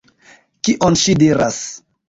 Kion ŝi diras?